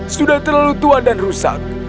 sudah terlalu tua dan rusak